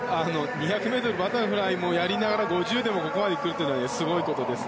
２００ｍバタフライもやりながら５０でもここまでいくのはすごいことです